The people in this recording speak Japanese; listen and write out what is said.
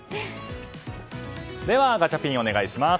ではガチャピン、お願いします。